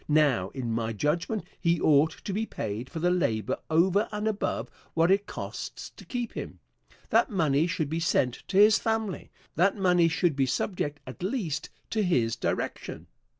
Now, in my judgment, he ought to be paid for the labor over and above what it costs to keep him. That money should be sent to his family. That money should be subject, at least, to his direction.